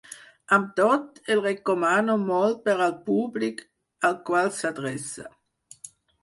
Amb tot, el recomano molt per al públic al qual s'adreça.